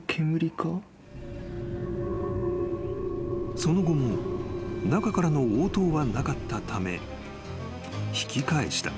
［その後も中からの応答はなかったため引き返した］